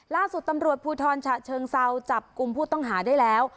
ล่าสุดตำรวจภูทรฉะเชิงเซาจับกลุ่มผู้ต้องหาได้แล้ว